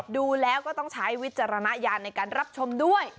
ดูแล้วก็ต้องใช้วิจารณญาณในการรับชมด้วย